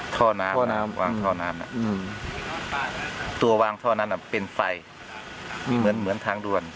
ท่อน้ำวางท่อน้ำตัววางท่อน้ำเป็นไฟเหมือนทางด่วน